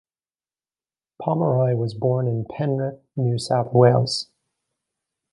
Pomeroy was born in Penrith, New South Wales.